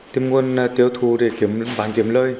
tìm nguồn tiêu thù để kiếm bán kiếm lợi